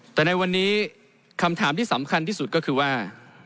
แต่ในวันนี้คำถามที่สำคัญที่สุดก็คือว่า